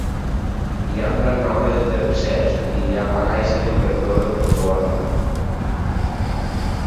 Hi ha un gran nombre de terrissers i hi va néixer l'inventor del formigó armat.